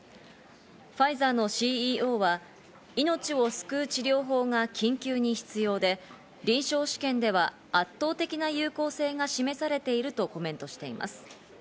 ファイザーのＣＥＯは命を救う治療法が緊急に必要で、臨床試験では圧倒的な有効性が示されているとコメントしています。